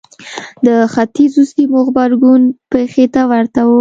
د ختیځو سیمو غبرګون پېښې ته ورته و.